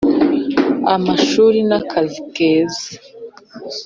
amashuri n'akazi keza